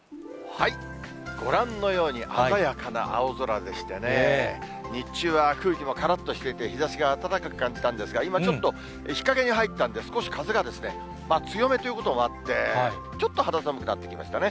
ご覧のように鮮やかな青空でしてね、日中は空気もからっとしてて、日ざしが暖かく感じたんですが、今ちょっと日陰に入ったんで、少し風がですね、強めということもあって、ちょっと肌寒くなってきましたね。